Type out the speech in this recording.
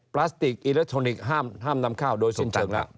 พลาสติกอิเล็กทรอนิกส์ห้ามนำข้าวโดยสิ้นเชิงแล้ว